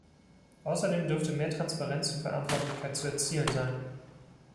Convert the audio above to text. Außerdem dürfte mehr Transparenz und Verantwortlichkeit zu erzielen sein.